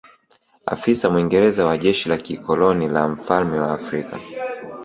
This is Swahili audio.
Afisa Mwingereza wa jeshi la kikoloni la mfalme wa Afrika